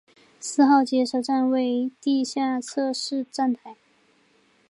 四号街车站为地下侧式站台。